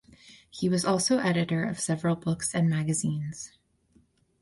He was also editor of several books and magazines.